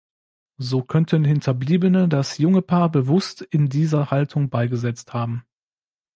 So könnten Hinterbliebene das junge Paar bewusst in dieser Haltung beigesetzt haben.